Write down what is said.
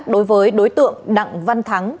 đối với đối tượng đặng văn thắng